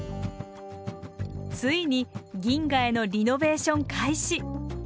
ついに銀河へのリノベーション開始。